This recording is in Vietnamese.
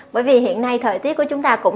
bởi vì hiện nay thời tiết của chúng ta cũng